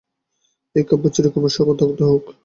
এ কাব্যে চিরকুমার-সভা দগ্ধ হোক।